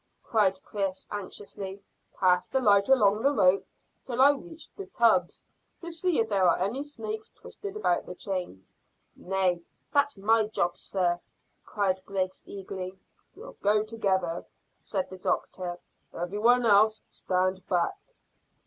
cried Chris anxiously. "Pass the light along the rope till I reach the tubs, to see if there are any snakes twisted about the chain." "Nay, that's my job, sir," cried Griggs eagerly. "We'll go together," said the doctor. "Every one else stand back."